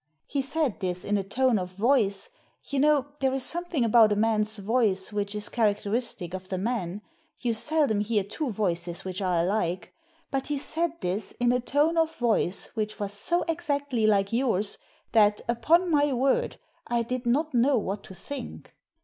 He said this in a tone of voice — ^you know there is something about a man's voice which is characteristic of the man, you seldom hear two voices which are alike — but he said this in a tone of voice which was so exactly like yours that, upon my word, I did not know what to think.